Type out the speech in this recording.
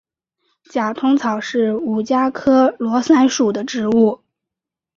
假通草是五加科罗伞属的植物。